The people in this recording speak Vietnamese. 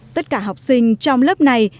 tất cả học sinh trong lớp này